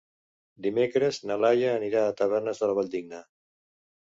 Dimecres na Laia anirà a Tavernes de la Valldigna.